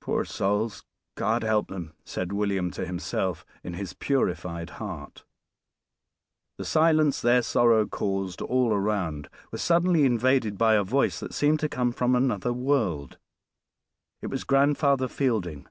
"Poor souls, God help them!" said William to himself in his purified heart. The silence their sorrow caused all around was suddenly invaded by a voice that seemed to come from another world it was Grandfather Fielding.